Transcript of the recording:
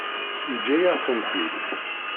Yeǧǧa-yaɣ-tent-id.